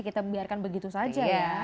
kita biarkan begitu saja ya